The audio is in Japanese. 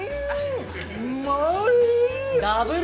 ◆うまい！